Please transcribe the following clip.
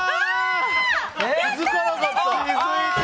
気づかなかった。